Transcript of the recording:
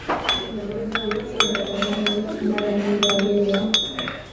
hata madhehebu yote ya zamani ambapo mara nyingi waumini wa